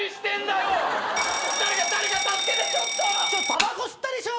たばこ吸ったでしょ！